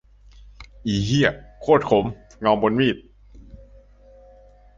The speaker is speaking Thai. อีเหี้ย โคตรขรรม เงาบนมีด